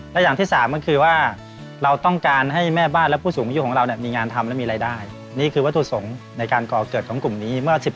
และอย่างที่สามก็คือว่าเราต้องการให้แม่บ้านและผู้สูงอยู่ของเราเนี่ยมีงานทำและมีรายได้